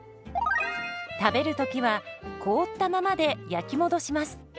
食べる時は凍ったままで焼き戻します。